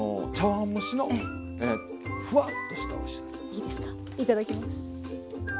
いただきます。